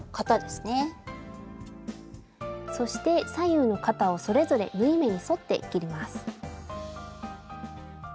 スタジオそして左右の肩をそれぞれ縫い目に沿って切ります。